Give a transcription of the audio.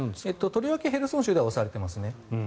とりわけヘルソン州では押されています。